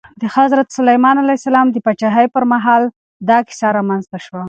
د حضرت سلیمان علیه السلام د پاچاهۍ پر مهال دا کیسه رامنځته شوه.